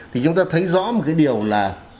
thì chúng ta thấy rõ một cái điều là